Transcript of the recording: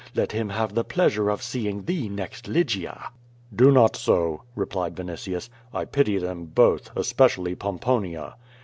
Let him have the pleasure of seeing thee next Lygia!'^ "Do not so," replied Vinitius. "I pity them both, espec ially Pomponia."